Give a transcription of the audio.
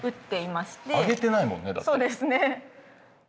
そうですね。